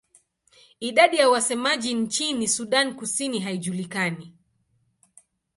Idadi ya wasemaji nchini Sudan Kusini haijulikani.